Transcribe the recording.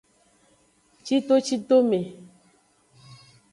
Citocitome.